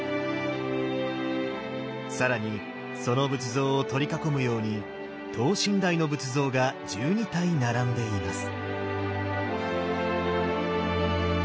更にその仏像を取り囲むように等身大の仏像が１２体並んでいます。